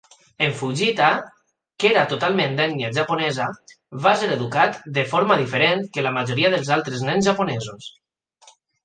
En Fujita, que era totalment d'ètnia japonesa, va ser educat de forma diferent que la majoria dels altres nens japonesos.